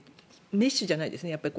メッシュじゃないですね。